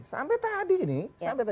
sampai tadi nih